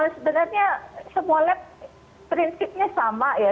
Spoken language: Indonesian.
sebenarnya semua lab prinsipnya sama ya